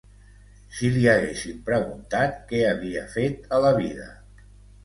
Si li haguessin preguntat què havia fet a la vida